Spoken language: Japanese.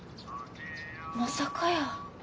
まさかやー。